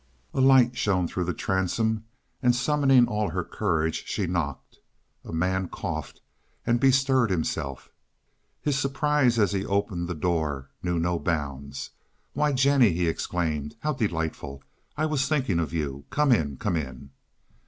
A light shone through the transom, and, summoning all her courage, she knocked. A man coughed and bestirred himself. His surprise as he opened the door knew no bounds. "Why, Jennie!" he exclaimed. "How delightful! I was thinking of you. Come in—come in."